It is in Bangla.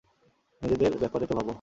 নিজেদের ব্যাপারে তো ভাবো।